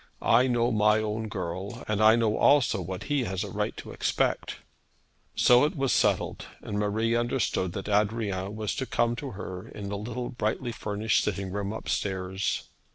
'I know my own girl; and I know also what he has a right to expect.' So it was settled, and Marie understood that Adrian was to come to her in the little brightly furnished sitting room upstairs.